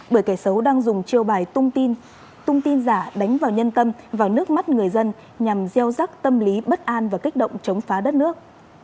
bởi kẻ xấu đang dùng chiêu bài tung tin tung tin giả đánh vào nhân tâm vào nước mắt người dân nhằm gieo rắc tâm lý bất an và kích động chống phá đất nước